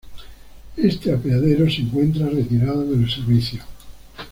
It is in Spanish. Este apeadero se encuentra retirada del servicio.